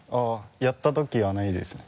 やったときはないですね。